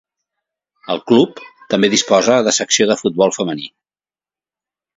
El club també disposa de secció de futbol femení.